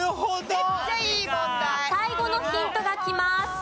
最後のヒントがきます。